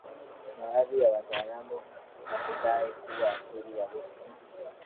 Baadhi ya wataalamu hudai kuwa asili ya lugha